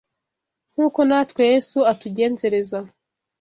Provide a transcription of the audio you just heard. nk’uko natwe Yesu atugenzereza